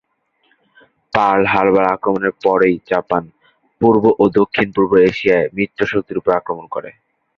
Pearl Harbor আক্রমণের পরই Japan পূর্ব ও দক্ষিণ-পূর্ব এশিয়ায় মিত্রশক্তির উপর আক্রমণ করে।